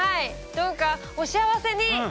どうかお幸せに。